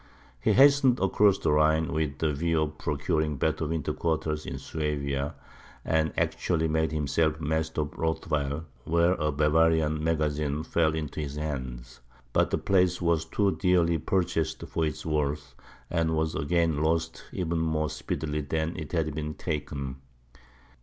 He hastened across the Rhine with the view of procuring better winter quarters in Suabia, and actually made himself master of Rothweil, where a Bavarian magazine fell into his hands. But the place was too dearly purchased for its worth, and was again lost even more speedily than it had been taken.